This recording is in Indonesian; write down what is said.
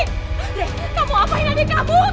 rey kamu apain adik kamu kamu apain